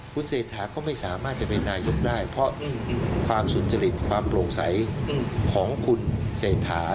คุณเศรษฐาก็ไม่สามารถจะเป็นนายกได้เพราะความสุจริตความโปร่งใสของคุณเศรษฐา